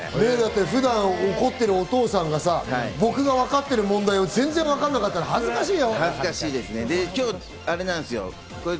普段怒ってるお父さんがさ、僕がわかってる問題を全然わからなかったら恥ずかしいよ。